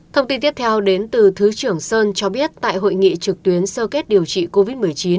thông tin tiếp theo đến từ thứ trưởng sơn cho biết tại hội nghị trực tuyến sơ kết điều trị covid một mươi chín